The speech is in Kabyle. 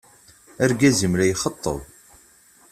Argaz-im la yxeṭṭeb.